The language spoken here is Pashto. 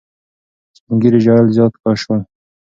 سپین ږیري ژړل زیات شول.